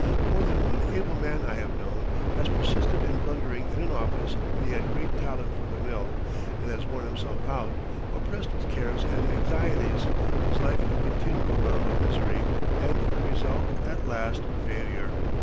More than one able man I have known has persisted in blundering in an office when he had great talent for the mill, and has worn himself out, oppressed with cares and anxieties, his life a continual round of misery, and the result at last failure.